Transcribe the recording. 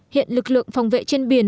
hiện lực lượng phòng vệ trên biển